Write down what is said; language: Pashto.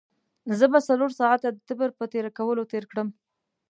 زه به څلور ساعته د تبر په تېره کولو تېر کړم.